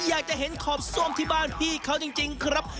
อยากจะเห็นขอบซ่วมที่บ้านพี่เขาจริงครับ